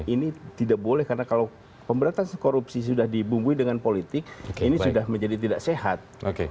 ini tidak boleh karena kalau pemberantasan korupsi sudah dibumbui dengan politik ini sudah menjadi tidak sehat